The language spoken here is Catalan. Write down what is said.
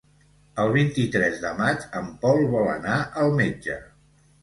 El vint-i-tres de maig en Pol vol anar al metge.